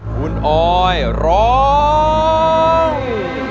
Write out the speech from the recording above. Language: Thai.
คุณออยร้อง